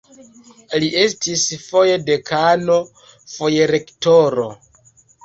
Li estis foje dekano, foje rektoro.